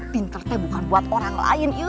pinternya bukan buat orang lain